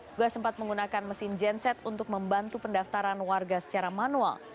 waktu itu beberapa orang menggunakan mesin genset untuk membantu pendaftaran warga secara manual